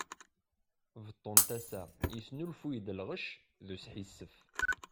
Beṭṭu n tassa yesnulfuy-d lɣec d usḥissef!